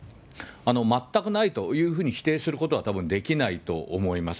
全くないというふうに否定することはたぶんできないと思います。